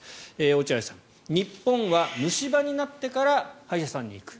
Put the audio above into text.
落合さん、日本は虫歯になってから歯医者さんに行く。